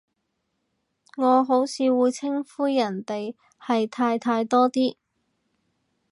我好似會稱呼人哋係太太多啲